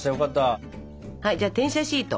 はいじゃあ転写シート。